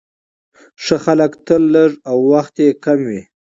ښه خلک تل لږ او وخت يې کم وي،